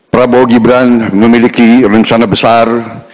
prabowo gibran memiliki rencana besar